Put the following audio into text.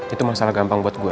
itu masalah gampang buat gue